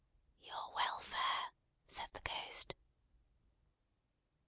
"Your welfare!" said the Ghost.